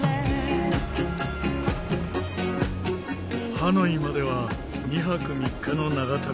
ハノイまでは２泊３日の長旅です。